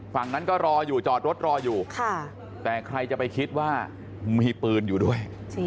ฝั่งนั้นก็รออยู่จอดรถรออยู่แต่ใครจะไปคิดว่ามีปืนอยู่ด้วย